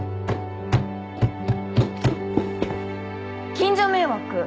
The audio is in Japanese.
・近所迷惑。